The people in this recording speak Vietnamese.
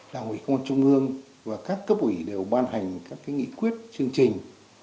đảng ủy công an trung ương và các cấp ủy đều ban hành các nghị quyết chương trình